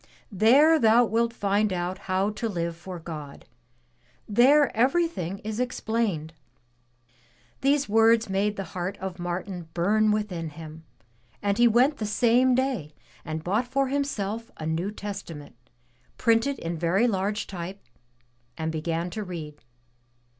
There thou wilt find out how to live for God. There everything is explained.'' These words made the heart of Martin bum within him, and he went the same day and bought for himself a New Testament, printed in very large type, and began to read.